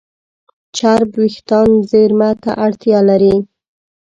چرب وېښتيان زېرمه ته اړتیا لري.